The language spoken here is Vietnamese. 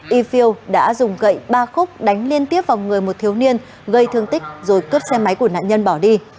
y phil đã dùng gậy ba khúc đánh liên tiếp vào người một thiếu niên gây thương tích rồi cướp xe máy của nạn nhân bỏ đi